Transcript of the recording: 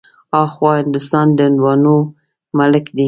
ها خوا هندوستان د هندوانو ملک دی.